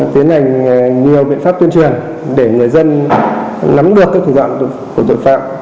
tiến hành nhiều biện pháp tuyên truyền để người dân nắm được các thủ đoạn của tội phạm